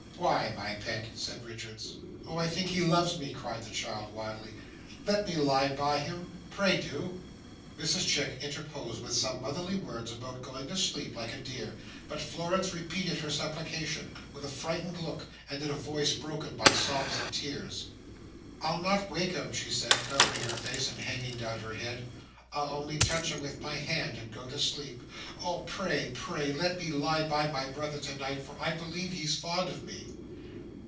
"Why, my pet?" said Richards. "Oh! I think he loves me," cried the child wildly. "Let me lie by him. Pray do!" Mrs Chick interposed with some motherly words about going to sleep like a dear, but Florence repeated her supplication, with a frightened look, and in a voice broken by sobs and tears. "I'll not wake him," she said, covering her face and hanging down her head. "I'll only touch him with my hand, and go to sleep. Oh, pray, pray, let me lie by my brother tonight, for I believe he's fond of me!"